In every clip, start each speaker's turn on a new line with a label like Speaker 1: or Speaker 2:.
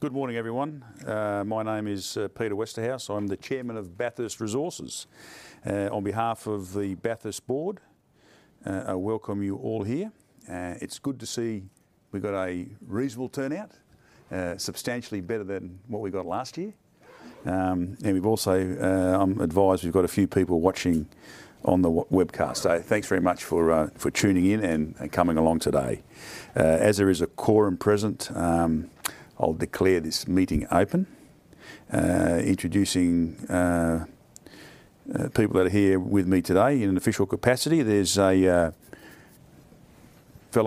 Speaker 1: Good morning, everyone. My name is Peter Westerhuis. I'm the Chairman of Bathurst Resources. On behalf of the Bathurst Board, I welcome you all here. It's good to see we've got a reasonable turnout, substantially better than what we got last year. I'm advised we've also got a few people watching on the webcast. So thanks very much for tuning in and coming along today. As there is a quorum present, I'll declare this meeting open, introducing people that are here with me today in an official capacity. There's Fellow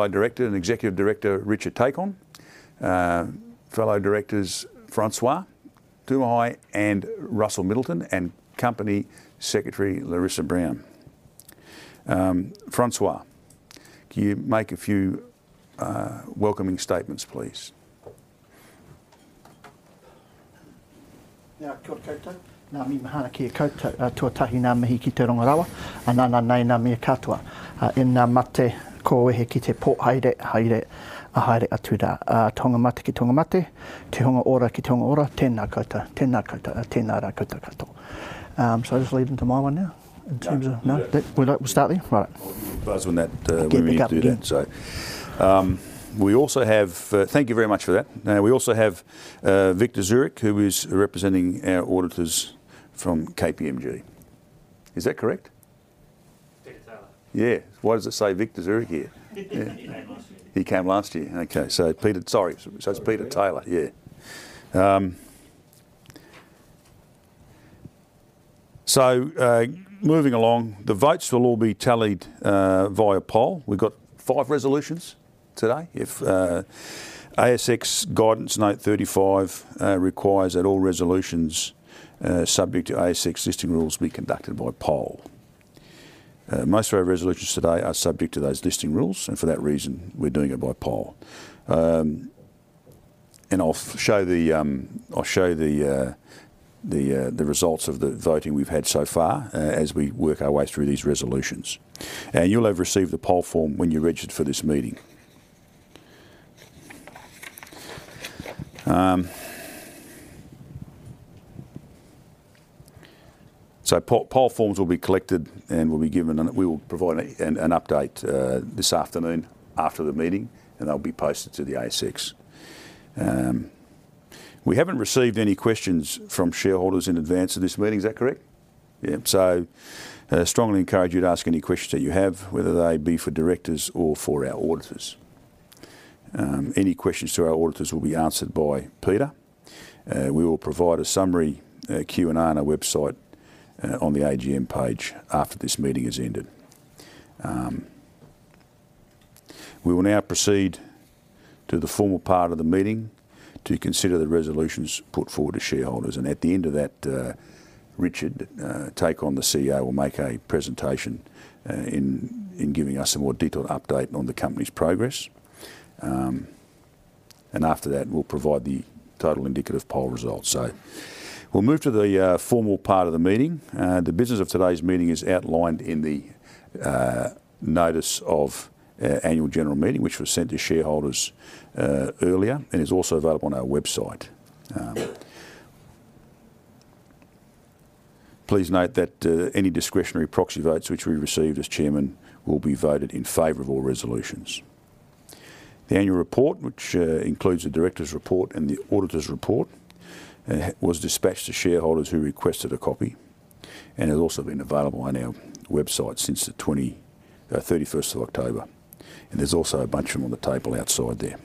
Speaker 1: Director, Executive Director Richard Tacon, Fellow Directors Francois Tumahai and Russell Middleton, and Company Secretary Larissa Brown. Francois, can you make a few welcoming statements, please?
Speaker 2: Now, we also have, thank you very much for that. Now, we also have Victor Zurich, who is representing our auditors from KPMG. Is that correct?
Speaker 3: Peter Taylor.
Speaker 1: Yeah. Why does it say Victor Zurich here?
Speaker 3: He came last year.
Speaker 1: He came last year. Okay. So Peter, sorry. So it's Peter Taylor. Yeah. So moving along, the votes will all be tallied via poll. We've got five resolutions today. ASX Guidance Note 35 requires that all resolutions subject to ASX listing rules be conducted by poll. Most of our resolutions today are subject to those listing rules, and for that reason, we're doing it by poll. I'll show the results of the voting we've had so far as we work our way through these resolutions. You'll have received the poll form when you registered for this meeting. Poll forms will be collected and will be given, and we will provide an update this afternoon after the meeting, and they'll be posted to the ASX. We haven't received any questions from shareholders in advance of this meeting. Is that correct? Yeah. I strongly encourage you to ask any questions that you have, whether they be for directors or for our auditors. Any questions to our auditors will be answered by Peter. We will provide a summary Q&A on our website on the AGM page after this meeting has ended. We will now proceed to the formal part of the meeting to consider the resolutions put forward to shareholders. At the end of that, Richard Tacon, the CEO, will make a presentation in giving us a more detailed update on the company's progress. After that, we'll provide the total indicative poll results. We'll move to the formal part of the meeting. The business of today's meeting is outlined in the notice of annual general meeting, which was sent to shareholders earlier, and is also available on our website. Please note that any discretionary proxy votes, which we received as Chairman, will be voted in favor of all resolutions. The annual report, which includes the director's report and the auditor's report, was dispatched to shareholders who requested a copy and has also been available on our website since the 31st of October. There's also a bunch of them on the table outside there.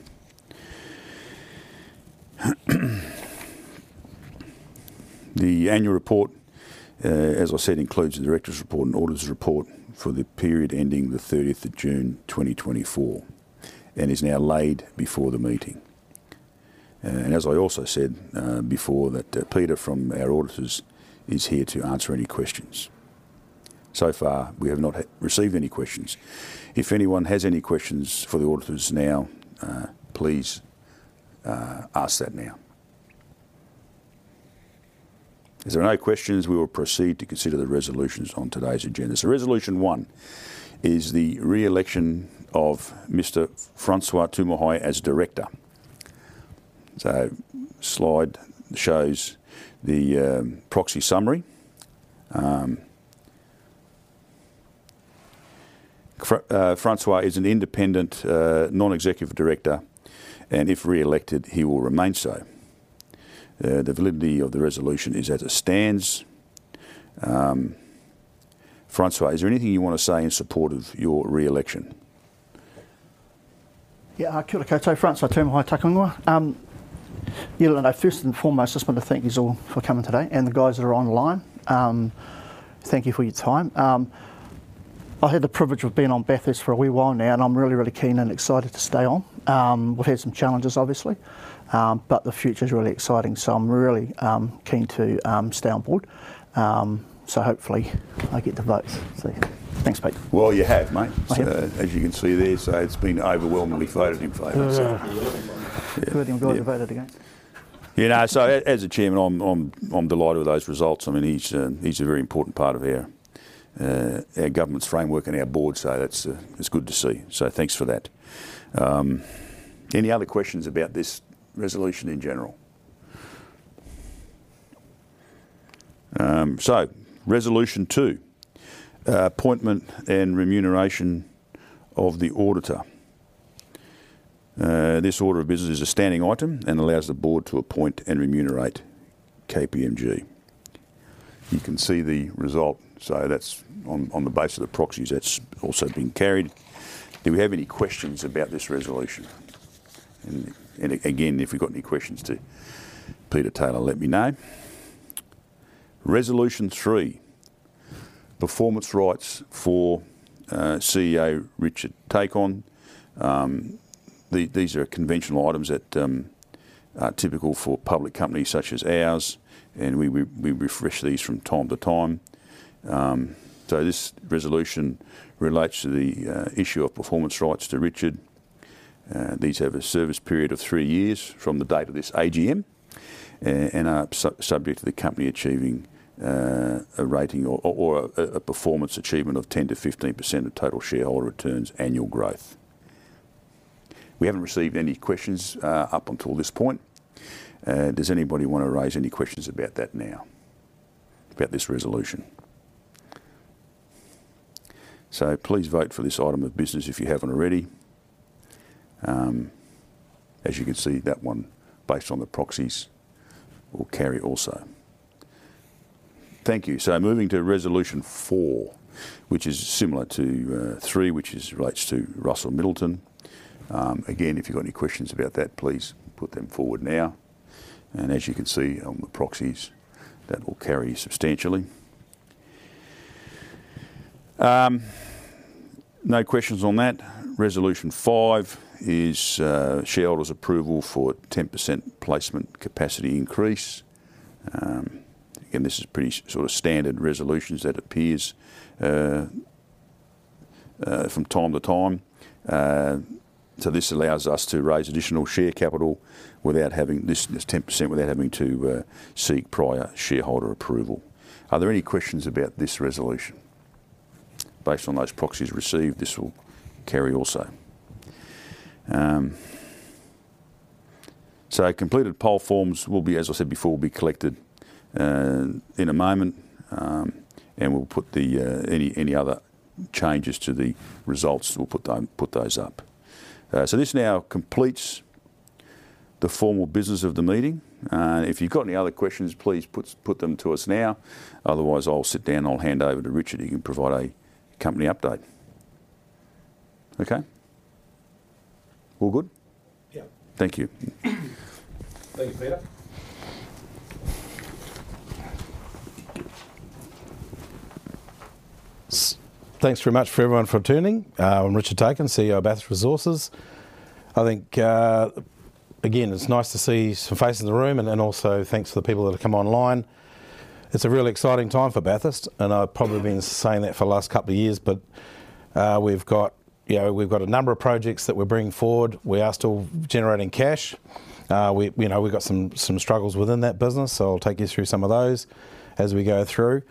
Speaker 1: The annual report, as I said, includes the director's report and auditor's report for the period ending the 30th of June 2024 and is now laid before the meeting. As I also said before, Peter from our auditors is here to answer any questions. So far, we have not received any questions. If anyone has any questions for the auditors now, please ask that now. If there are no questions, we will proceed to consider the resolutions on today's agenda. Resolution one is the re-election of Mr. Francois Tumahai as director. The slide shows the proxy summary. Francois is an independent, non-executive director, and if re-elected, he will remain so. The validity of the resolution is as it stands. Francois, is there anything you want to say in support of your re-election?
Speaker 2: Yeah, I can't say. Francois Tumahai, Tēnā koutou. First and foremost, I just want to thank you all for coming today and the guys that are online. Thank you for your time. I had the privilege of being on Bathurst for a while now, and I'm really, really keen and excited to stay on. We've had some challenges, obviously, but the future is really exciting, so I'm really keen to stay on board. So hopefully I get the votes. Thanks, Pete.
Speaker 1: Well, you have, mate. As you can see there, so it's been overwhelmingly voted in favor.
Speaker 4: We're going to vote on it again.
Speaker 1: You know, as a Chairman, I'm delighted with those results. I mean, these are a very important part of our government's framework and our board, that's good to see. Thanks for that. Any other questions about this resolution in general? Resolution two, appointment and remuneration of the auditor. This order of business is a standing item and allows the board to appoint and remunerate KPMG. You can see the result. That's on the basis of the proxies that's also been carried. Do we have any questions about this resolution? And again, if we've got any questions to Peter Taylor, let me know. Resolution three, performance rights for CEO Richard Tacon. These are conventional items that are typical for public companies such as ours, and we refresh these from time to time. This resolution relates to the issue of performance rights to Richard. These have a service period of three years from the date of this AGM and are subject to the company achieving a rating or a performance achievement of 10% to 15% of total shareholder returns annual growth. We haven't received any questions up until this point. Does anybody want to raise any questions about that now, about this resolution? Please vote for this item of business if you haven't already. As you can see, that one based on the proxies will carry also. Thank you. Moving to resolution four, which is similar to three, which relates to Russell Middleton. Again, if you've got any questions about that, please put them forward now. As you can see on the proxies, that will carry substantially. No questions on that. Resolution five is shareholders' approval for a 10% placement capacity increase. Again, this is pretty sort of standard resolutions that appears from time to time. This allows us to raise additional share capital without having this 10% without having to seek prior shareholder approval. Are there any questions about this resolution? Based on those proxies received, this will carry also. Completed poll forms will be, as I said before, will be collected in a moment, and we'll put any other changes to the results, we'll put those up. This now completes the formal business of the meeting. If you've got any other questions, please put them to us now. Otherwise, I'll sit down, I'll hand over to Richard, who can provide a company update. Okay? All good?
Speaker 3: Yeah.
Speaker 1: Thank you.
Speaker 3: Thank you, Peter.
Speaker 4: Thanks very much for everyone for attending. I'm Richard Tacon, CEO of Bathurst Resources. I think, again, it's nice to see some faces in the room and also thanks to the people that have come online. It's a really exciting time for Bathurst, and I've probably been saying that for the last couple of years, but we've got a number of projects that we're bringing forward. We are still generating cash. We've got some struggles within that business, so I'll take you through some of those as we go through.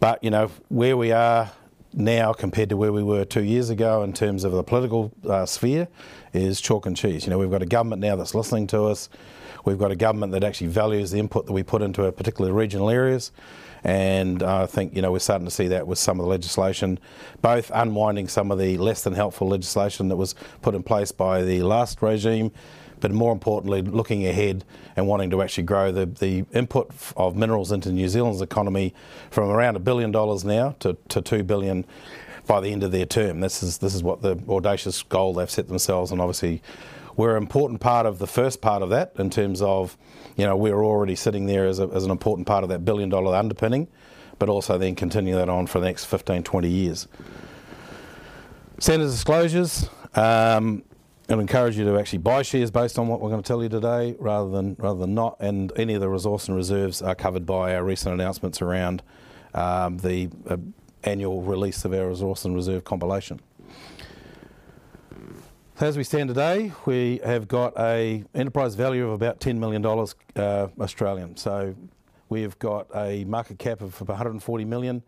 Speaker 4: But where we are now compared to where we were two years ago in terms of the political sphere is chalk and cheese. We've got a government now that's listening to us. We've got a government that actually values the input that we put into particular regional areas. I think we're starting to see that with some of the legislation, both unwinding some of the less-than-helpful legislation that was put in place by the last regime, but more importantly, looking ahead and wanting to actually grow the input of minerals into New Zealand's economy from around $1 billion now to $2 billion by the end of their term. This is the audacious goal they've set themselves. Obviously, we're an important part of the first part of that in terms of we're already sitting there as an important part of that billion-dollar underpinning, but also then continuing that on for the next 15, 20 years. Standard disclosures. I'd encourage you to actually buy shares based on what we're going to tell you today rather than not. Any of the resource and reserves are covered by our recent announcements around the annual release of our resource and reserve compilation. As we stand today, we have got an enterprise value of about $10 million Australian. We've got a market cap of $140 million.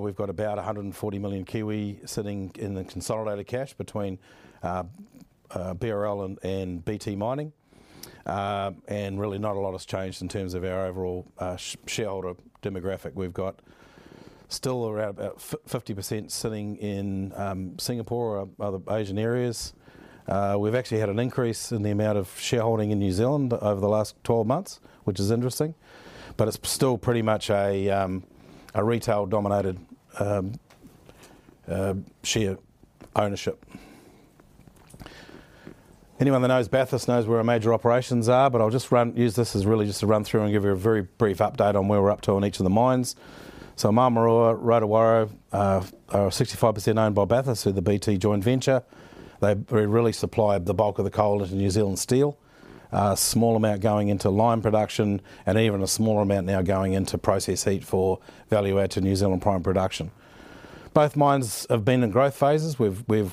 Speaker 4: We've got about $140 million cash sitting in the consolidated cash between BRL and BT mining. Really not a lot has changed in terms of our overall shareholder demographic. We've got still around about 50% sitting in Singapore or other Asian areas. We've actually had an increase in the amount of shareholding in New Zealand over the last 12 months, which is interesting, but it's still pretty much a retail-dominated share ownership. Anyone that knows Bathurst knows where our major operations are, but I'll just use this as really just to run through and give you a very brief update on where we're up to on each of the mines. So Maramarua, Rotowaro, are 65% owned by Bathurst through the BT joint venture. They really supply the bulk of the coal into New Zealand Steel, a small amount going into lime production, and even a smaller amount now going into process heat for value add to New Zealand prime production. Both mines have been in growth phases. We've been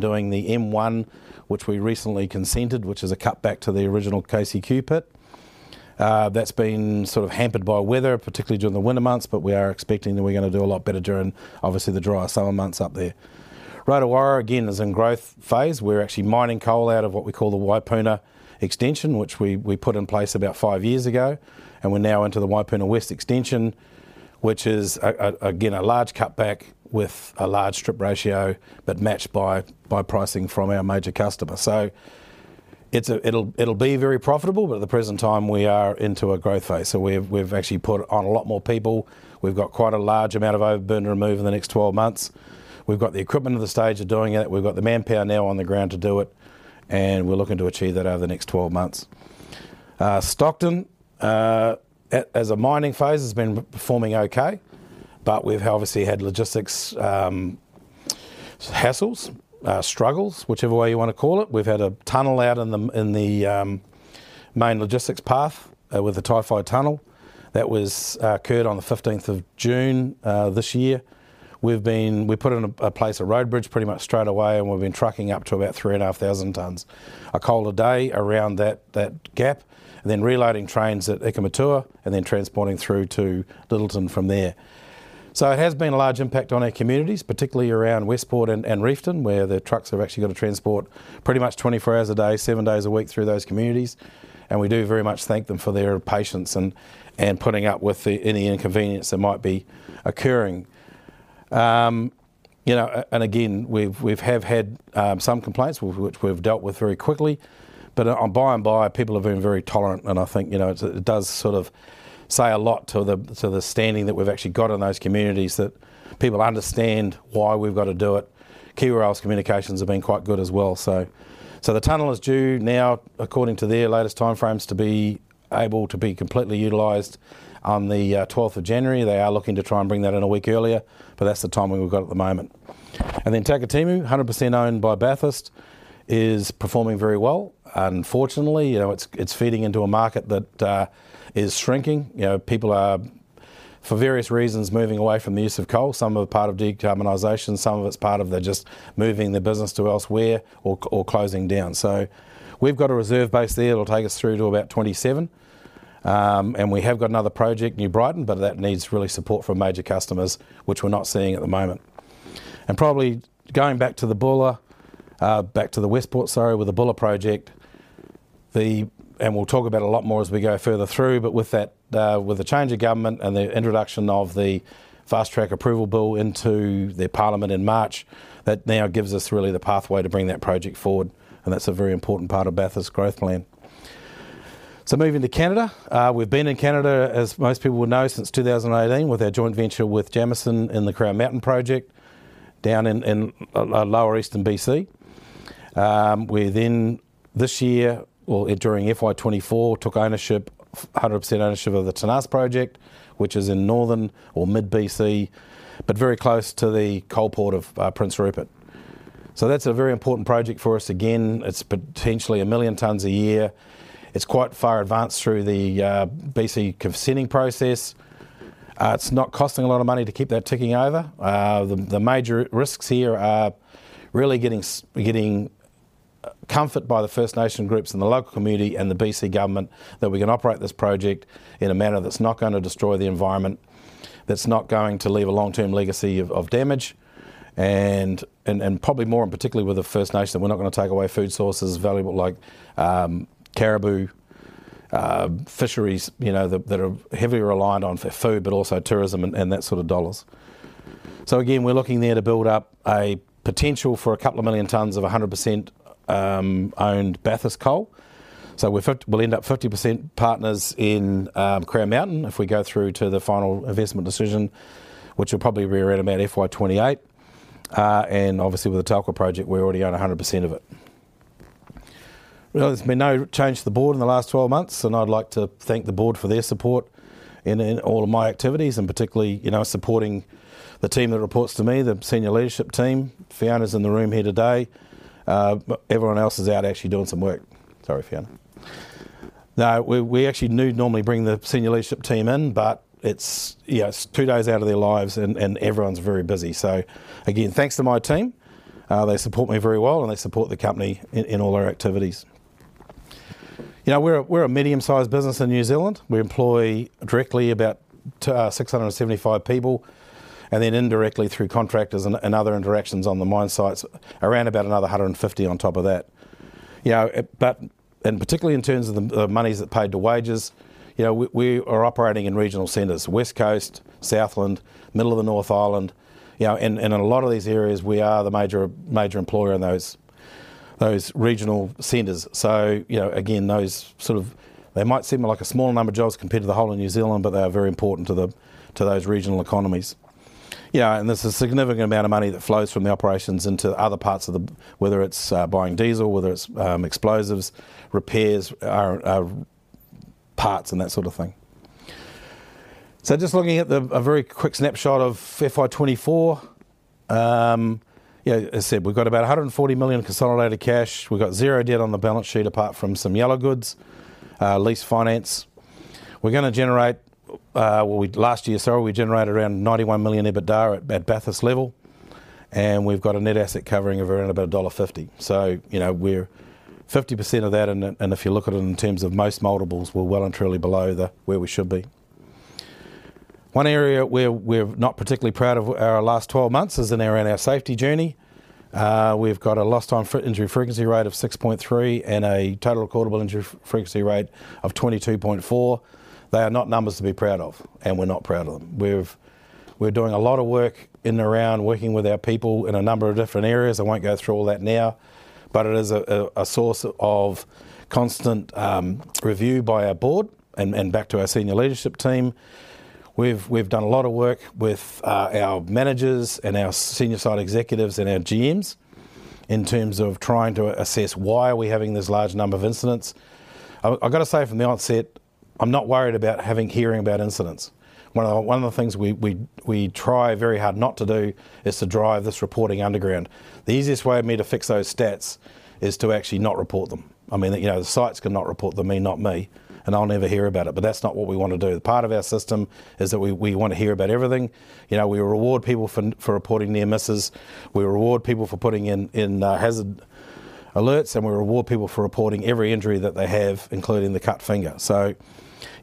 Speaker 4: doing the M1, which we recently consented, which is a cutback to the original KCQ pit. That's been hampered by weather, particularly during the winter months, but we are expecting that we're going to do a lot better during the drier summer months up there. Rotowaro, again, is in growth phase. We're actually mining coal out of what we call the Waipuna Extension, which we put in place about five years ago, and we're now into the Waipuna West Extension, which is, again, a large cutback with a large strip ratio, but matched by pricing from our major customer. So it'll be very profitable, but at the present time, we are into a growth phase. We've actually put on a lot more people. We've got quite a large amount of overburn to remove in the next 12 months. We've got the equipment at the stage of doing it. We've got the manpower now on the ground to do it, and we're looking to achieve that over the next 12 months. Stockton, as a mining phase, has been performing okay, but we've obviously had logistics hassles, struggles, whichever way you want to call it. We've had a tunnel out in the main logistics path with a Tunnel 21 that occurred on the 15th of June this year. We've put in a place of road bridge pretty much straight away, and we've been trucking up to about 3,500 tonnes of coal a day around that gap, then reloading trains at Ikamatua and then transporting through to Lyttelton from there. So it has been a large impact on our communities, particularly around Westport and Reefton, where the trucks have actually got to transport pretty much 24 hours a day, seven days a week through those communities. We do very much thank them for their patience and putting up with any inconvenience that might be occurring. Again, we have had some complaints, which we've dealt with very quickly, but by and by, people have been very tolerant, and I think it does sort of say a lot to the standing that we've actually got in those communities that people understand why we've got to do it. KiwiRail's communications have been quite good as well. The tunnel is due now, according to their latest timeframes, to be able to be completely utilized on the 12th of January. They are looking to try and bring that in a week earlier, but that's the timing we've got at the moment. Takitimu, 100% owned by Bathurst, is performing very well. Unfortunately, it's feeding into a market that is shrinking. People are, for various reasons, moving away from the use of coal. Some are part of decarbonization, some of it's part of they're just moving their business to elsewhere or closing down. So we've got a reserve base there that'll take us through to about 2027. We have got another project, New Brighton, but that needs really support from major customers, which we're not seeing at the moment. Probably going back to the Buller, back to the Westport, sorry, with the Buller project, we'll talk about it a lot more as we go further through, but with the change of government and the introduction of the fast track approval bill into their parliament in March, that now gives us really the pathway to bring that project forward, and that's a very important part of Bathurst's growth plan. Moving to Canada, we've been in Canada, as most people will know, since 2018 with our joint venture with Jameson in the Crown Mountain project down in lower eastern BC. We then this year, or during FY24, took ownership, 100% ownership of the Tenas project, which is in northern or mid-BC, but very close to the coal port of Prince Rupert. That's a very important project for us. Again, it's potentially a million tonnes a year. It's quite far advanced through the BC consenting process. It's not costing a lot of money to keep that ticking over. The major risks here are really getting comfort by the First Nation groups in the local community and the BC government that we can operate this project in a manner that's not going to destroy the environment, that's not going to leave a long-term legacy of damage, and probably more in particular with the First Nation that we're not going to take away food sources as valuable like caribou, fisheries that are heavily reliant on for food, but also tourism and that sort of dollars. Again, we're looking there to build up a potential for a couple of million tonnes of 100% owned Bathurst coal. We'll end up 50% partners in Crown Mountain if we go through to the final investment decision, which will probably be around about FY28. Obviously, with the Telkwa project, we're already on 100% of it. There's been no change to the board in the last 12 months, and I'd like to thank the board for their support in all of my activities and particularly supporting the team that reports to me, the senior leadership team. Fiona's in the room here today. Everyone else is out actually doing some work. Sorry, Fiona. We actually knew to normally bring the senior leadership team in, but it's two days out of their lives and everyone's very busy. Again, thanks to my team. They support me very well and they support the company in all our activities. We're a medium-sized business in New Zealand. We employ directly about 675 people and then indirectly through contractors and other interactions on the mine sites, around about another 150 on top of that. Particularly in terms of the monies that paid to wages, we are operating in regional centers, West Coast, Southland, middle of the North Island. In a lot of these areas, we are the major employer in those regional centers. Those sort of, they might seem like a small number of jobs compared to the whole of New Zealand, but they are very important to those regional economies. There's a significant amount of money that flows from the operations into other parts of the, whether it's buying diesel, whether it's explosives, repairs, parts, and that sort of thing. Just looking at a very quick snapshot of FY24, as I said, we've got about $140 million in consolidated cash. We've got zero debt on the balance sheet apart from some yellow goods, lease finance. We're going to generate, last year, sorry, we generated around $91 million EBITDA at Bathurst level, and we've got a net asset covering of around about $1.50. So we're 50% of that, and if you look at it in terms of most multiples, we're well and truly below where we should be. One area where we're not particularly proud of our last 12 months is around our safety journey. We've got a lost time injury frequency rate of 6.3 and a total recordable injury frequency rate of 22.4. They are not numbers to be proud of, and we're not proud of them. We're doing a lot of work in and around working with our people in a number of different areas. I won't go through all that now, but it is a source of constant review by our board and back to our senior leadership team. We've done a lot of work with our managers and our senior site executives and our GMs in terms of trying to assess why we are having this large number of incidents. I've got to say from the onset, I'm not worried about hearing about incidents. One of the things we try very hard not to do is to drive this reporting underground. The easiest way for me to fix those stats is to actually not report them. I mean, the sites can not report them to me, and I'll never hear about it, but that's not what we want to do. Part of our system is that we want to hear about everything. We reward people for reporting near misses. We reward people for putting in hazard alerts, and we reward people for reporting every injury that they have, including the cut finger.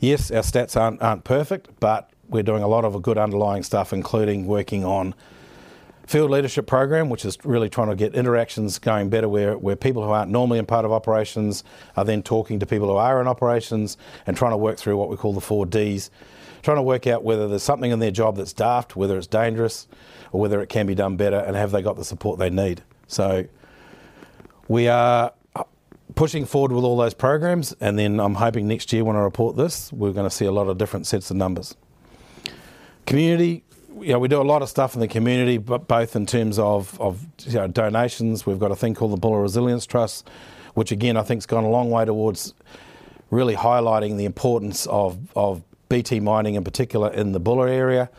Speaker 4: Our stats aren't perfect, but we're doing a lot of good underlying stuff, including working on field leadership program, which is really trying to get interactions going better where people who aren't normally a part of operations are then talking to people who are in operations and trying to work through what we call the four Ds, trying to work out whether there's something in their job that's daft, whether it's dangerous, or whether it can be done better, and have they got the support they need. We are pushing forward with all those programs, and then I'm hoping next year when I report this, we're going to see a lot of different sets of numbers. Community, we do a lot of stuff in the community, but both in terms of donations, we've got a thing called the Buller Resilience Trust, which again, I think has gone a long way towards really highlighting the importance of BT mining in particular in the Buller area.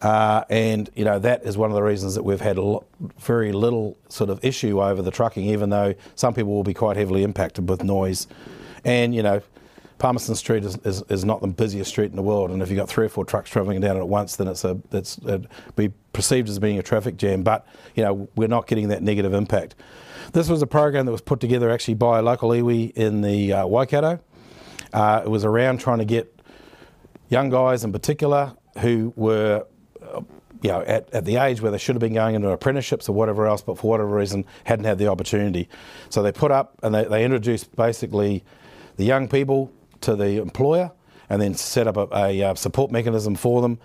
Speaker 4: That is one of the reasons that we've had very little sort of issue over the trucking, even though some people will be quite heavily impacted with noise. Palmerston Street is not the busiest street in the world, and if you've got three or four trucks traveling down at once, then it'd be perceived as being a traffic jam, but we're not getting that negative impact. This was a program that was put together actually by a local iwi in the Waikato. It was around trying to get young guys in particular who were at the age where they should have been going into apprenticeships or whatever else, but for whatever reason, hadn't had the opportunity. They put up and they introduced basically the young people to the employer and then set up a support mechanism for them.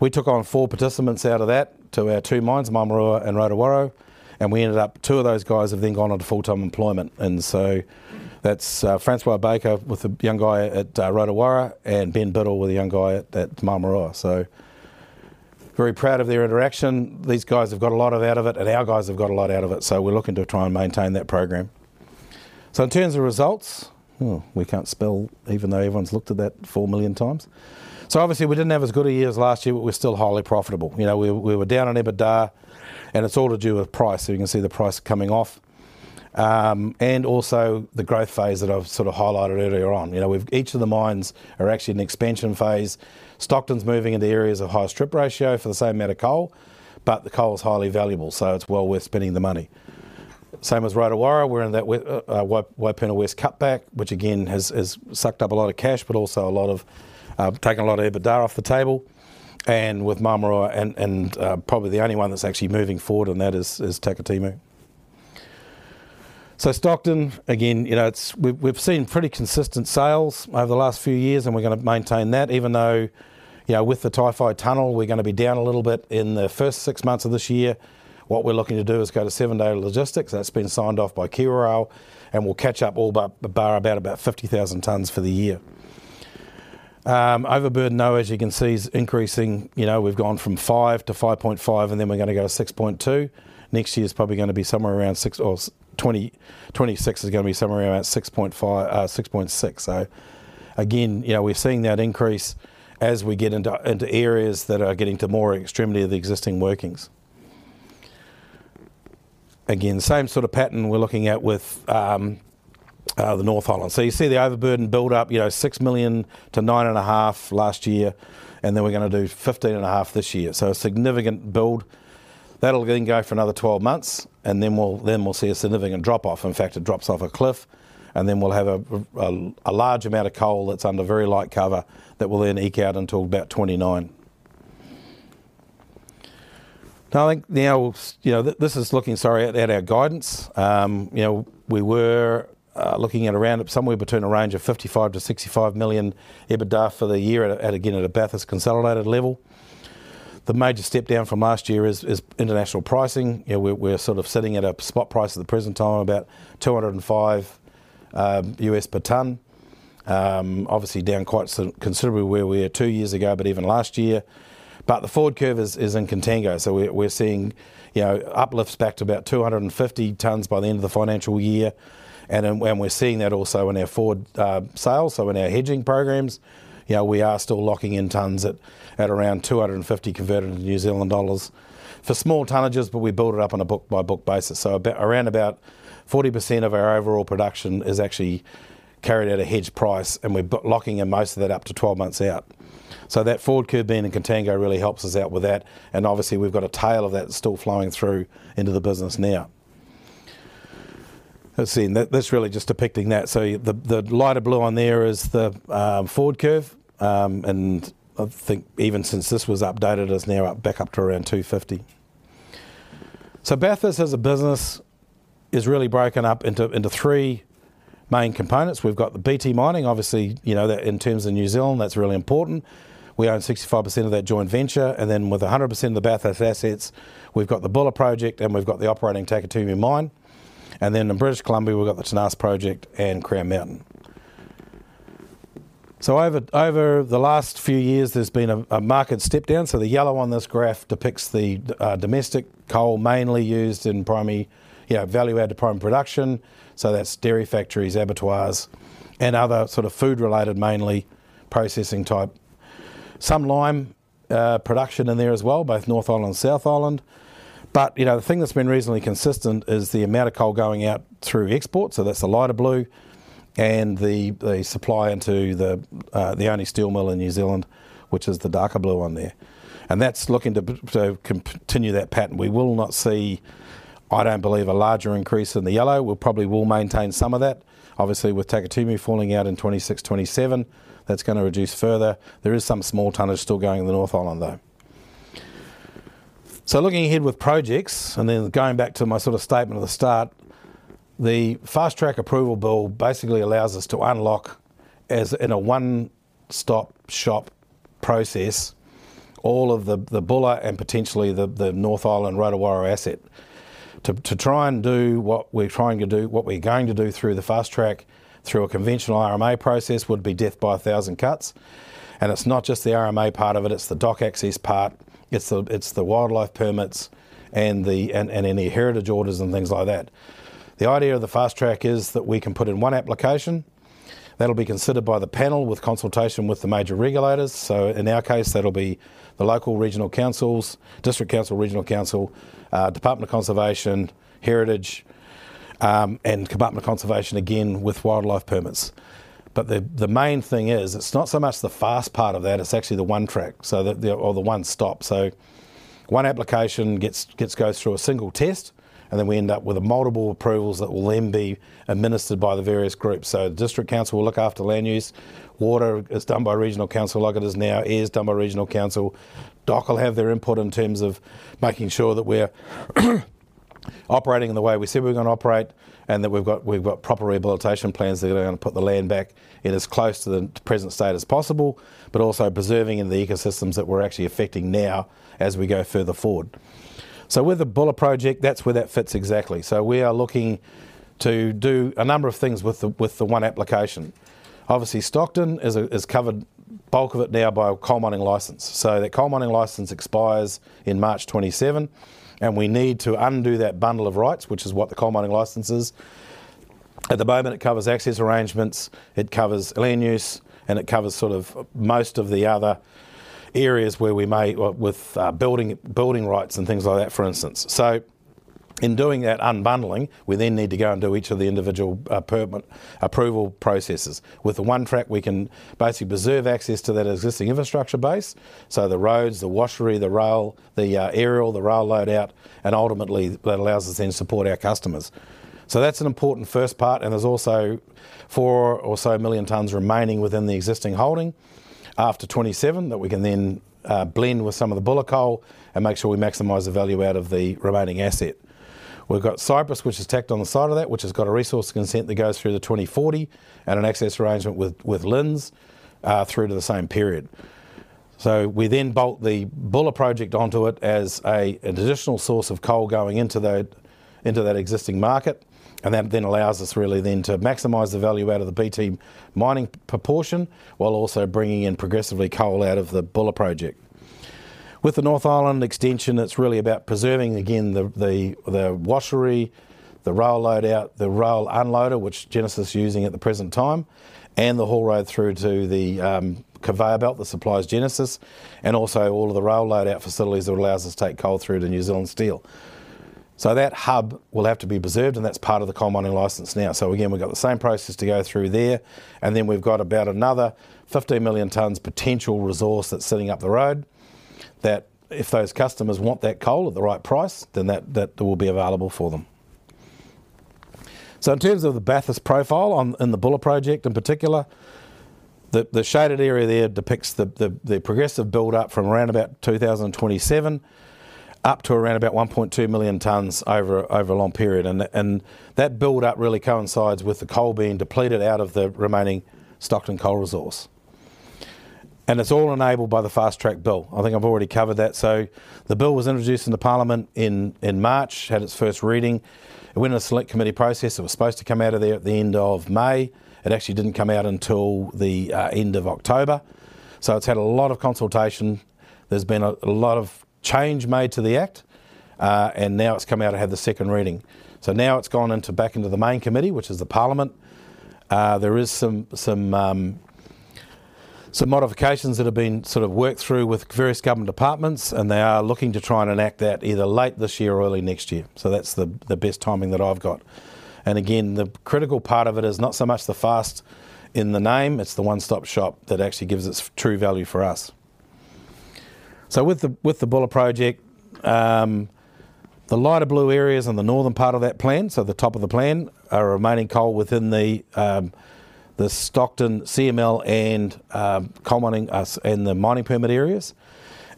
Speaker 4: We took on four participants out of that to our two mines, Māmaroa and Rotowaro, and we ended up two of those guys have then gone into full-time employment. That's Francois Baker with the young guy at Rotowaro and Ben Biddle with the young guy at Māmaroa. Very proud of their interaction. These guys have got a lot out of it, and our guys have got a lot out of it, so we're looking to try and maintain that program. In terms of results, we can't spell even though everyone's looked at that four million times. Obviously, we didn't have as good a year as last year, but we're still highly profitable. We were down on EBITDA, and it's all to do with price. You can see the price coming off and also the growth phase that I've highlighted earlier on. Each of the mines are actually in expansion phase. Stockton's moving into areas of high strip ratio for the same amount of coal, but the coal is highly valuable, so it's well worth spending the money. Same as Rotowara, we're in that Waipuna West cutback, which again has sucked up a lot of cash, but also taken a lot of EBITDA off the table. With Māmaroa and probably the only one that's actually moving forward, and that is Tacotemu. Stockton, again, we've seen pretty consistent sales over the last few years, and we're going to maintain that, even though with the typhoid tunnel, we're going to be down a little bit in the first six months of this year. What we're looking to do is go to seven-day logistics. That's been signed off by KiwiRile, and we'll catch up all but about 50,000 tonnes for the year. Overburden, as you can see, is increasing. We've gone from 5 to 5.5, and then we're going to go to 6.2. Next year is probably going to be somewhere around 6.6. Again, we're seeing that increase as we get into areas that are getting to more extremity of the existing workings. Again, same sort of pattern we're looking at with the North Island. You see the overburden build up, $6 million to $9.5 million last year, and then we're going to do $15.5 million this year. A significant build. That'll then go for another 12 months, and then we'll see a significant drop off. In fact, it drops off a cliff, and then we'll have a large amount of coal that's under very light cover that will then eke out until about 2029. This is looking at our guidance. We were looking at around somewhere between a range of $55 million to $65 million EBITDA for the year, again, at a Bathurst consolidated level. The major step down from last year is international pricing. We're sitting at a spot price at the present time, about $205 US per tonne. Obviously, down quite considerably where we were two years ago, but even last year. But the forward curve is in contango. We're seeing uplifts back to about 250 tonnes by the end of the financial year. We're seeing that also in our forward sales. In our hedging programs, we are still locking in tonnes at around NZ$250 for small tonnages, but we build it up on a book-by-book basis. Around about 40% of our overall production is actually carried out at hedge price, and we're locking in most of that up to 12 months out. That forward curve being in contango really helps us out with that. Obviously, we've got a tail of that still flowing through into the business now. That's really just depicting that. The lighter blue on there is the forward curve. I think even since this was updated, it's now back up to around 250. Bathurst as a business is really broken up into three main components. We've got the BT mining. Obviously, in terms of New Zealand, that's really important. We own 65% of that joint venture. And then with 100% of the Bathurst assets, we've got the Bulla project, and we've got the operating Tacotemu mine. And then in British Columbia, we've got the Tinasse project and Crown Mountain. Over the last few years, there's been a market step down. The yellow on this graph depicts the domestic coal mainly used in primary value-added prime production. That's dairy factories, abattoirs, and other sort of food-related, mainly processing type. Some lime production in there as well, both North Island and South Island. But the thing that's been reasonably consistent is the amount of coal going out through export. That's the lighter blue and the supply into the only steel mill in New Zealand, which is the darker blue on there. That's looking to continue that pattern. We will not see, I don't believe, a larger increase in the yellow. We'll probably maintain some of that. Obviously, with Tacotemu falling out in 26, 27, that's going to reduce further. There is some small tonnage still going in the North Island, though. Looking ahead with projects, and then going back to my statement at the start, the fast track approval bill basically allows us to unlock, as in a one-stop shop process, all of the Buller and potentially the North Island Rotowara asset to try and do what we're trying to do, what we're going to do through the fast track, through a conventional RMA process would be death by 1,000 cuts. It's not just the RMA part of it. It's the dock access part. It's the wildlife permits and any heritage orders and things like that. The idea of the fast track is that we can put in one application. That'll be considered by the panel with consultation with the major regulators. So in our case, that'll be the local regional councils, district council, regional council, Department of Conservation, heritage, and Department of Conservation, again, with wildlife permits. But the main thing is it's not so much the fast part of that. It's actually the one track or the one stop. So one application goes through a single test, and then we end up with multiple approvals that will then be administered by the various groups. So the district council will look after land use. Water is done by regional council like it is now. Air is done by regional council. DOC will have their input in terms of making sure that we're operating in the way we said we're going to operate and that we've got proper rehabilitation plans that are going to put the land back in as close to the present state as possible, but also preserving the ecosystems that we're actually affecting now as we go further forward. With the Bulla project, that's where that fits exactly. We are looking to do a number of things with the one application. Obviously, Stockton is covered bulk of it now by a coal mining license. That coal mining license expires in March 2027, and we need to undo that bundle of rights, which is what the coal mining license is. At the moment, it covers access arrangements. It covers land use, and it covers most of the other areas where we may with building rights and things like that, for instance. In doing that unbundling, we then need to go and do each of the individual approval processes. With the one track, we can basically preserve access to that existing infrastructure base. The roads, the washery, the rail, the aerial, the rail load out, and ultimately, that allows us then to support our customers. That's an important first part. There's also four million tonnes or so remaining within the existing holding after 2027 that we can then blend with some of the Buller coal and make sure we maximize the value out of the remaining asset. We've got Cypress, which is tacked on the side of that, which has got a resource consent that goes through to 2040 and an access arrangement with LINZ through to the same period. So we then bolt the Bulla project onto it as an additional source of coal going into that existing market. That then allows us really then to maximize the value out of the BT mining proportion while also bringing in progressively coal out of the Bulla project. With the North Island extension, it's really about preserving, again, the washery, the rail load out, the rail unloader, which Genesis is using at the present time, and the haul road through to the conveyor belt that supplies Genesis and also all of the rail load out facilities that allows us to take coal through to New Zealand Steel. That hub will have to be preserved, and that's part of the coal mining license now. Again, we've got the same process to go through there. Then we've got about another 15 million tonnes potential resource that's sitting up the road that if those customers want that coal at the right price, then that will be available for them. In terms of the Bathurst profile in the Buller project in particular, the shaded area there depicts the progressive build up from around about 2027 up to around about 1.2 million tonnes over a long period. That build up really coincides with the coal being depleted out of the remaining Stockton coal resource. It's all enabled by the fast track bill. I think I've already covered that. The bill was introduced in the Parliament in March, had its first reading. It went in a select committee process. It was supposed to come out of there at the end of May. It actually didn't come out until the end of October. So it's had a lot of consultation. There's been a lot of change made to the act, and now it's come out and had the second reading. Now it's gone back into the main committee, which is the Parliament. There are some modifications that have been sort of worked through with various government departments, and they are looking to try and enact that either late this year or early next year. That's the best timing that I've got. Again, the critical part of it is not so much the fast in the name. It's the one-stop shop that actually gives its true value for us. With the Buller project, the lighter blue areas in the northern part of that plan, the top of the plan, are remaining coal within the Stockton CML and coal mining and the mining permit areas.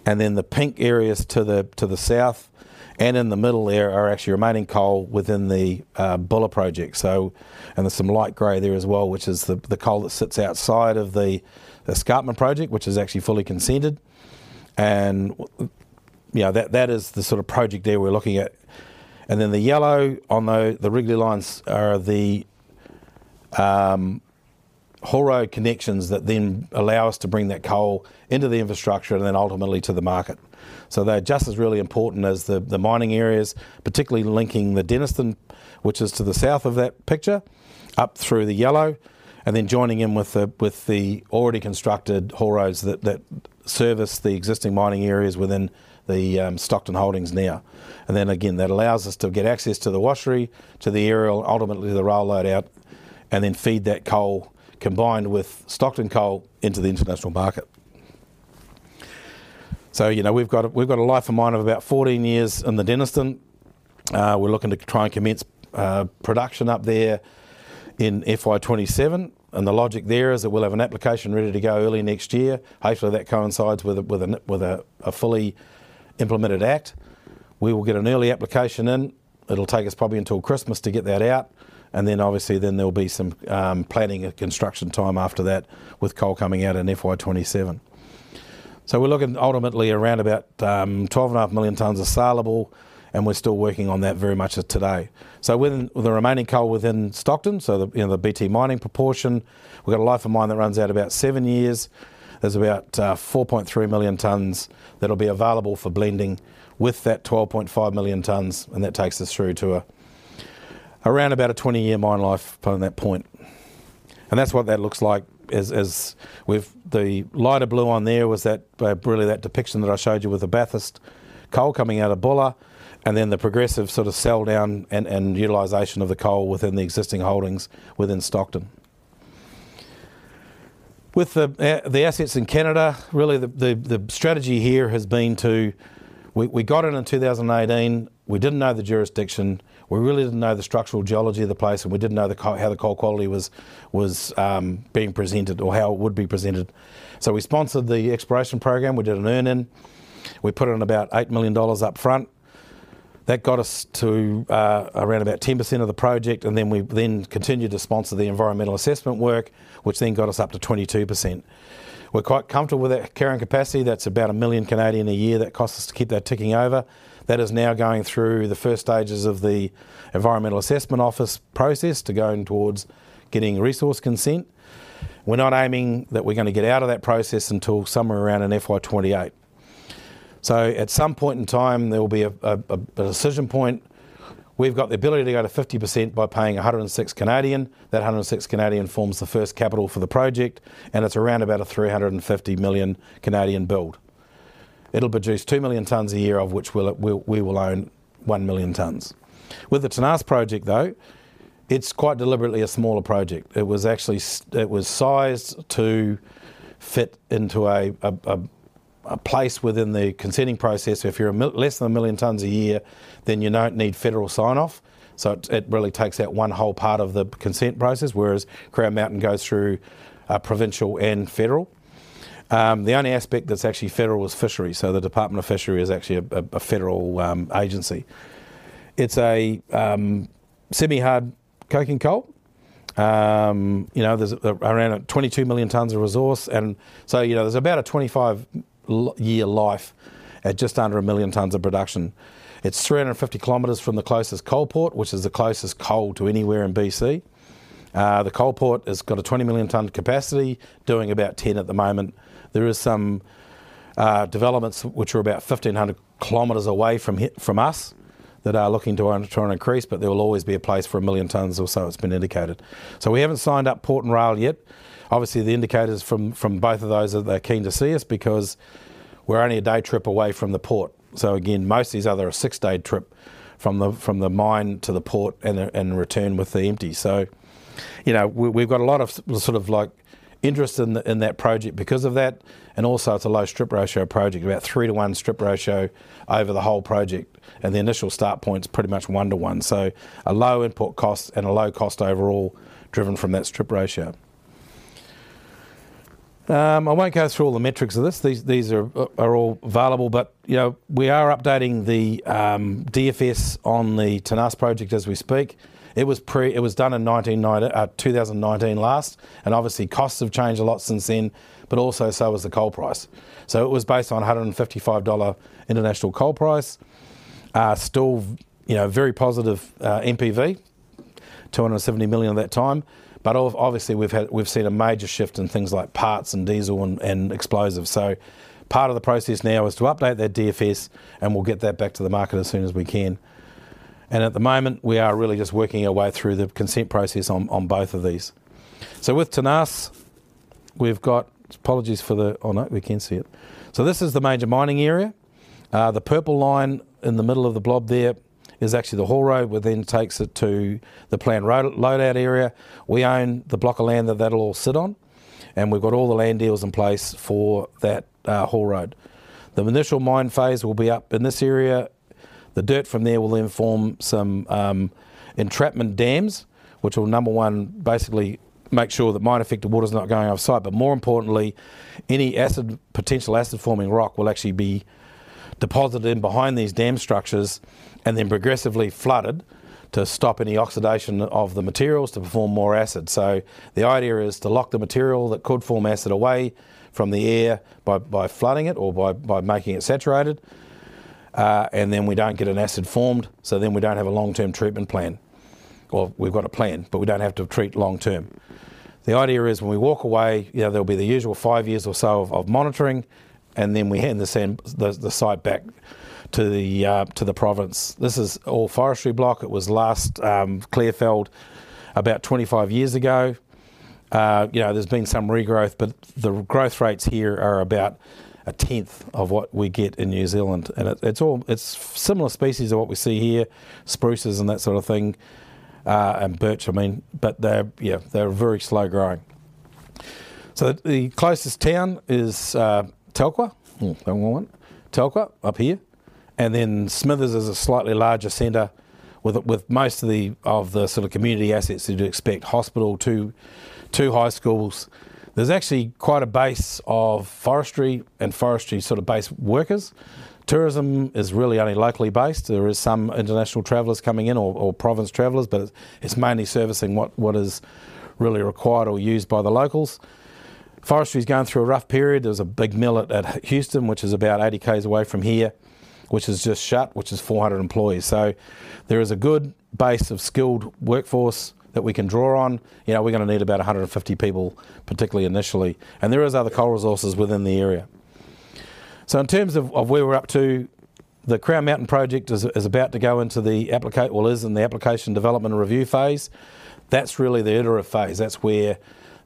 Speaker 4: The pink areas to the south and in the middle there are actually remaining coal within the Buller project. There's some light gray there as well, which is the coal that sits outside of the Escarpment project, which is actually fully consented. That is the project there we're looking at. The yellow on the wriggly lines are the haul road connections that then allow us to bring that coal into the infrastructure and then ultimately to the market. They're just as really important as the mining areas, particularly linking the Denniston, which is to the south of that picture, up through the yellow, and then joining in with the already constructed haul roads that service the existing mining areas within the Stockton holdings now. And then again, that allows us to get access to the washery, to the aerial, ultimately to the rail load out, and then FEED that coal combined with Stockton coal into the international market. We've got a life of mine of about 14 years in the Denniston. We're looking to try and commence production up there in FY27. And the logic there is that we'll have an application ready to go early next year. Hopefully, that coincides with a fully implemented act. We will get an early application in. It'll take us probably until Christmas to get that out. Obviously, there'll be some planning and construction time after that with coal coming out in FY27. We're looking ultimately around about 12.5 million tonnes of saleable, and we're still working on that very much today. With the remaining coal within Stockton, the BT mining proportion, we've got a life of mine that runs out about seven years. There's about 4.3 million tonnes that'll be available for blending with that 12.5 million tonnes, and that takes us through to around about a 20-year mine life upon that point. That's what that looks like with the lighter blue on there was really that depiction that I showed you with the Bathurst coal coming out of Buller and then the progressive sort of sale down and utilisation of the coal within the existing holdings within Stockton. With the assets in Canada, really the strategy here has been to we got it in 2018. We didn't know the jurisdiction. We really didn't know the structural geology of the place, and we didn't know how the coal quality was being presented or how it would be presented. So we sponsored the exploration program. We did an earn-in. We put in about $8 million upfront. That got us to around about 10% of the project, and then we continued to sponsor the environmental assessment work, which then got us up to 22%. We're quite comfortable with that carrying capacity. That's about $1 million Canadian a year that costs us to keep that ticking over. That is now going through the first stages of the environmental assessment office process to go in towards getting resource consent. We're not aiming that we're going to get out of that process until somewhere around FY28. So at some point in time, there will be a decision point. We've got the ability to go to 50% by paying 106 million. That 106 million forms the first capital for the project, and it's around about a 350 million build. It'll produce 2 million tonnes a year, of which we will own 1 million tonnes. With the Tinasse project, though, it's quite deliberately a smaller project. It was sized to fit into a place within the consenting process. If you're less than a million tonnes a year, then you don't need federal sign-off. It really takes out one whole part of the consent process, whereas Crown Mountain goes through provincial and federal. The only aspect that's actually federal is fishery. The Department of Fishery is actually a federal agency. It's a semi-hard coking coal. There's around 22 million tonnes of resource. There's about a 25-year life at just under a million tonnes of production. It's 350 kilometres from the closest coal port, which is the closest coal to anywhere in BC. The coal port has got a 20 million tonne capacity doing about 10 at the moment. There are some developments which are about 1,500 kilometres away from us that are looking to try and increase, but there will always be a place for a million tonnes or so it's been indicated. We haven't signed up port and rail yet. Obviously, the indicators from both of those are they're keen to see us because we're only a day trip away from the port. Again, most of these other are six-day trip from the mine to the port and return with the empty. We've got a lot of interest in that project because of that. Also, it's a low strip ratio project, about three to one strip ratio over the whole project. The initial start point's pretty much one to one. A low input cost and a low cost overall driven from that strip ratio. I won't go through all the metrics of this. These are all available, but we are updating the DFS on the Tinasse project as we speak. It was done in 2019 last, and obviously, costs have changed a lot since then, but also so has the coal price. It was based on $155 international coal price, still very positive NPV, $270 million at that time. Obviously, we've seen a major shift in things like parts and diesel and explosives. Part of the process now is to update that DFS, and we'll get that back to the market as soon as we can. At the moment, we are really just working our way through the consent process on both of these. With Tinasse, we've got apologies for the... no, we can see it. This is the major mining area. The purple line in the middle of the blob there is actually the haul road where then it takes it to the planned load-out area. We own the block of land that that'll all sit on, and we've got all the land deals in place for that haul road. The initial mine phase will be up in this area. The dirt from there will then form some entrapment dams, which will, number one, basically make sure that mine-affected water is not going off-site. But more importantly, any potential acid-forming rock will actually be deposited in behind these dam structures and then progressively flooded to stop any oxidation of the materials to form more acid. The idea is to lock the material that could form acid away from the air by flooding it or by making it saturated, and then we don't get an acid formed. Then we don't have a long-term treatment plan. We've got a plan, but we don't have to treat long-term. The idea is when we walk away, there'll be the usual five years or so of monitoring, and then we hand the site back to the province. This is all forestry block. It was last clearfelled about 25 years ago. There's been some regrowth, but the growth rates here are about a tenth of what we get in New Zealand. It's similar species to what we see here, spruces and that sort of thing, and birch, but they're very slow-growing. So the closest town is Telkwa. Telkwa up here. Smithers is a slightly larger centre with most of the sort of community assets that you'd expect: hospital, two high schools. There's actually quite a base of forestry and forestry sort of base workers. Tourism is really only locally based. There are some international travellers coming in or province travellers, but it's mainly servicing what is really required or used by the locals. Forestry's going through a rough period. There's a big mill at Houston, which is about 80 km away from here, which is just shut, which is 400 employees. There is a good base of skilled workforce that we can draw on. We're going to need about 150 people, particularly initially. And there are other coal resources within the area. In terms of where we're up to, the Crown Mountain project is about to go into the application or is in the application development review phase. That's really the iterative phase. That's where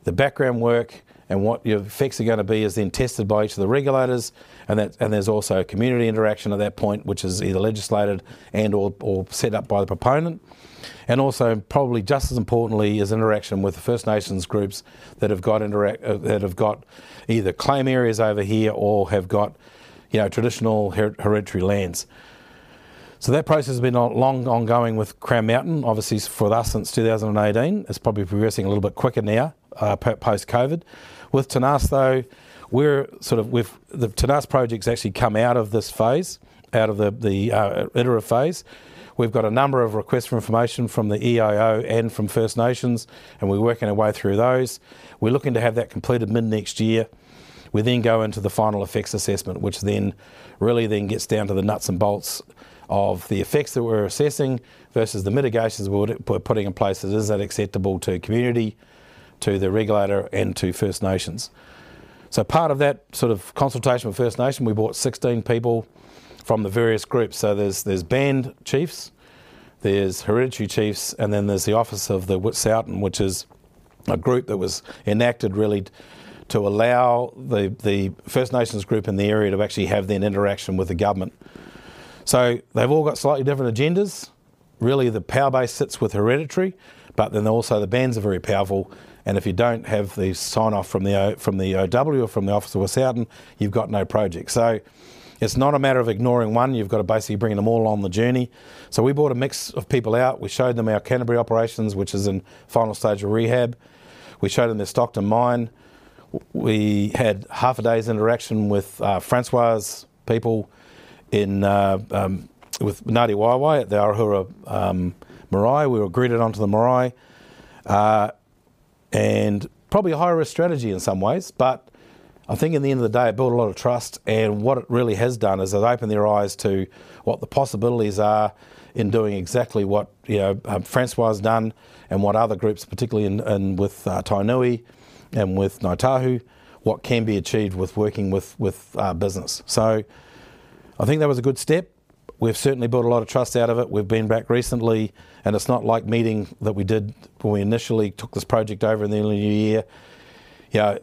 Speaker 4: the background work and what your effects are going to be is then tested by each of the regulators. And there's also a community interaction at that point, which is either legislated and/or set up by the proponent. And also, probably just as importantly, is interaction with First Nations groups that have got either claim areas over here or have got traditional hereditary lands. That process has been long ongoing with Crown Mountain. Obviously, for us since 2018, it's probably progressing a little bit quicker now post-COVID. With Tinasse, though, the Tenas project's actually come out of this phase, out of the iterative phase. We've got a number of requests for information from the EAO and from First Nations, and we're working our way through those. We're looking to have that completed mid-next year. We then go into the final effects assessment, which then really gets down to the nuts and bolts of the effects that we're assessing versus the mitigations we're putting in place that isn't acceptable to community, to the regulator, and to First Nations. Part of that sort of consultation with First Nation, we brought 16 people from the various groups. There's band chiefs, there's hereditary chiefs, and then there's the office of the Wet'suwet'en, which is a group that was enacted really to allow the First Nations group in the area to actually have their interaction with the government. They've all got slightly different agendas. Really, the power base sits with hereditary, but then also the bands are very powerful. And if you don't have the sign-off from the OW or from the office of Wet'suwet'en, you've got no project. It's not a matter of ignoring one. You've got to basically bring them all on the journey. We brought a mix of people out. We showed them our Canterbury operations, which is in final stage of rehab. We showed them their Stockton mine. We had half a day's interaction with Francois' people with Ngāti Waewae at the Arahura marae. We were greeted onto the marae. Probably a high-risk strategy in some ways, but I think in the end of the day, it built a lot of trust. What it really has done is it's opened their eyes to what the possibilities are in doing exactly what Francois has done and what other groups, particularly with Tainui and with Ngāi Tahu, what can be achieved with working with business. I think that was a good step. We've certainly built a lot of trust out of it. We've been back recently, and it's not like meeting that we did when we initially took this project over in the early new year.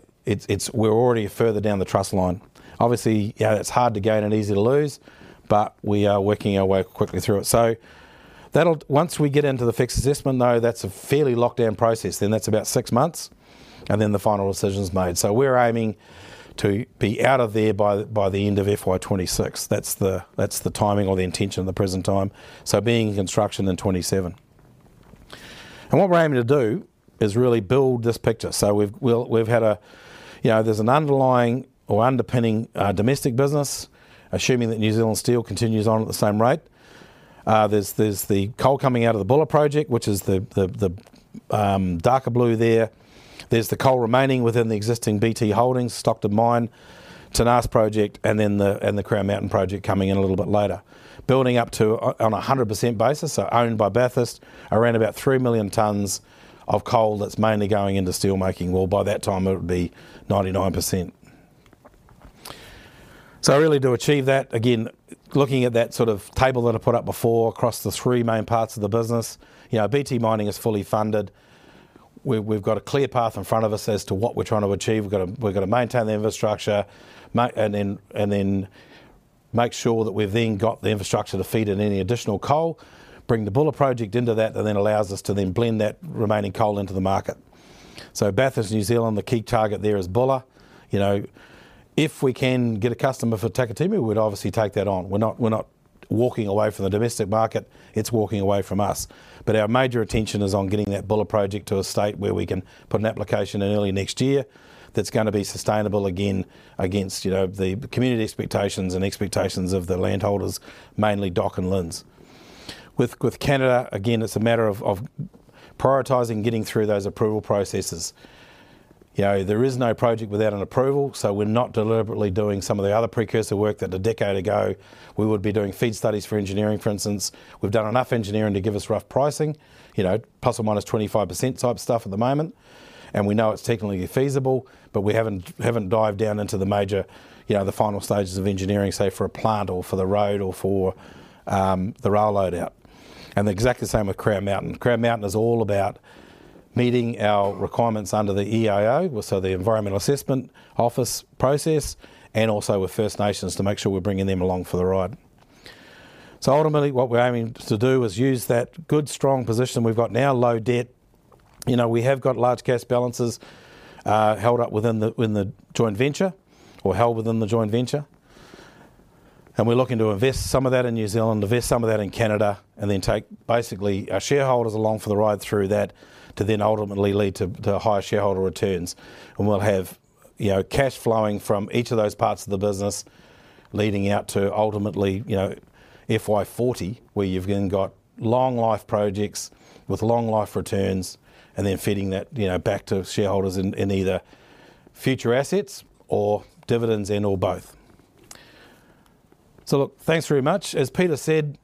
Speaker 4: We're already further down the trust line. Obviously, it's hard to gain and easy to lose, but we are working our way quickly through it. Once we get into the fixed assessment, though, that's a fairly locked-down process. That's about six months, and then the final decision's made. We're aiming to be out of there by the end of FY26. That's the timing or the intention at the present time. Being in construction in '27. What we're aiming to do is really build this picture. We've had a there's an underlying or underpinning domestic business, assuming that New Zealand Steel continues on at the same rate. There's the coal coming out of the Buller project, which is the darker blue there. There's the coal remaining within the existing BT holdings, Stockton mine, Tenas project, and then the Crown Mountain project coming in a little bit later. Building up to on a 100% basis, owned by Bathurst, around about 3 million tonnes of coal that's mainly going into steelmaking. By that time, it would be 99%. Really to achieve that, again, looking at that sort of table that I put up before across the three main parts of the business, BT mining is fully funded. We've got a clear path in front of us as to what we're trying to achieve. We've got to maintain the infrastructure and then make sure that we've then got the infrastructure to feed in any additional coal, bring the Buller project into that, and then allows us to then blend that remaining coal into the market. Bathurst, New Zealand, the key target there is Buller. If we can get a customer for Takitimu, we'd obviously take that on. We're not walking away from the domestic market. It's walking away from us. Our major attention is on getting that Buller project to a state where we can put an application in early next year that's going to be sustainable again against the community expectations and expectations of the landholders, mainly DOC and LINZ. With Canada, again, it's a matter of prioritizing getting through those approval processes. There is no project without an approval, so we're not deliberately doing some of the other precursor work that a decade ago we would be doing feed studies for engineering, for instance. We've done enough engineering to give us rough pricing, plus or minus 25% type stuff at the moment. We know it's technically feasible, but we haven't dived down into the final stages of engineering, say, for a plant or for the road or for the rail load-out. Exactly the same with Crown Mountain. Crown Mountain is all about meeting our requirements under the EAO, so the Environmental Assessment Office process, and also with First Nations to make sure we're bringing them along for the ride. Ultimately, what we're aiming to do is use that good, strong position we've got now, low debt. We have got large cash balances held up within the joint venture or held within the joint venture. We're looking to invest some of that in New Zealand, invest some of that in Canada, and then take basically our shareholders along for the ride through that to then ultimately lead to higher shareholder returns. We'll have cash flowing from each of those parts of the business leading out to ultimately FY40, where you've then got long-life projects with long-life returns and then feeding that back to shareholders in either future assets or dividends and/or both. Look, thanks very much. As Peter said,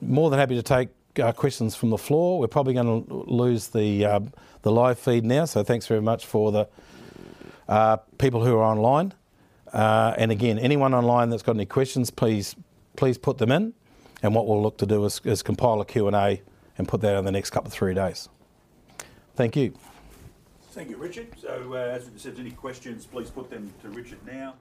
Speaker 4: more than happy to take questions from the floor. We're probably going to lose the live feed now, thanks very much for the people who are online. Again, anyone online that's got any questions, please put them in. What we'll look to do is compile a Q&A and put that in the next couple of three days. Thank you.
Speaker 1: Thank you, Richard. As we've said, any questions, please put them to Richard now.